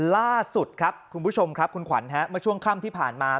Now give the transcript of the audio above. ล่าสุดครับคุณผู้ชมครับคุณขวัญเมื่อช่วงค่ำที่ผ่านมา